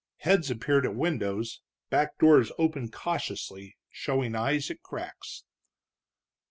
Heads appeared at windows, back doors opened cautiously, showing eyes at cracks.